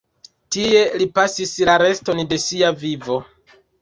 Tie li pasis la reston de sia vivo.